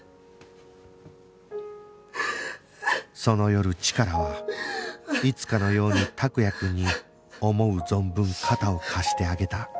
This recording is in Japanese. その夜チカラはいつかのように託也くんに思う存分肩を貸してあげた